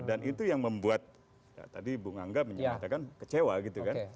dan itu yang membuat tadi bu ngangga menyebutkan kecewa gitu kan